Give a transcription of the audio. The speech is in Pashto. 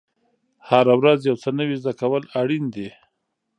هره ورځ یو څه نوی زده کول اړین دي.